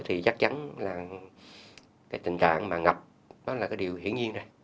thì chắc chắn là cái tình trạng mà ngập đó là cái điều hiển nhiên này